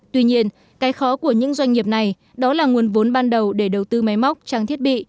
tuy nhiên cái khó của những doanh nghiệp này đó là nguồn vốn ban đầu để đầu tư máy móc trang thiết bị